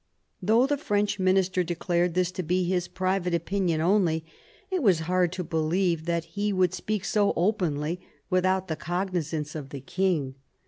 Though the French minister declared this to be his private opinion only, it was hard to believe that he would speak so openly without the cognisance of the king.